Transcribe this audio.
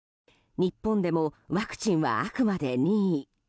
日本でもワクチンは、あくまで任意。